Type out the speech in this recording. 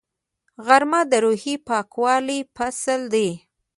غرمه د روحي پاکوالي فصل دی